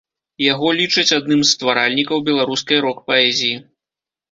Яго лічаць адным з стваральнікаў беларускай рок-паэзіі.